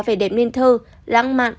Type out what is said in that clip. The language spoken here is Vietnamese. vẻ đẹp nguyên thơ lãng mạn